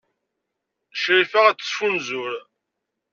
Crifa ad tettfunzur.